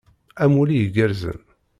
Amulli igerrzen!